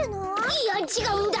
いやちがうんだ！